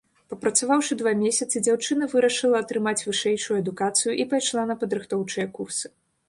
Папрацаваўшы два месяцы, дзяўчына вырашыла атрымаць вышэйшую адукацыю і пайшла на падрыхтоўчыя курсы.